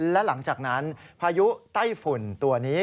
และหลังจากนั้นพายุไต้ฝุ่นตัวนี้